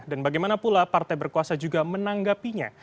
dan bagaimana pula partai berkuasa juga menanggapinya